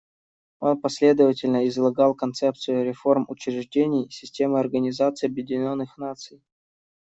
Он последовательно излагал концепцию реформ учреждений системы Организации Объединенных Наций.